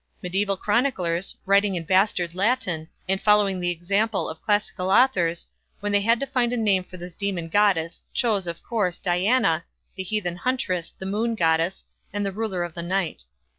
Medieval chroniclers, writing in bastard Latin, and following the example of classical authors, when they had to find a name for this demon goddess, chose, of course, Diana the heathen huntress, the moon goddess, and the ruler of the night.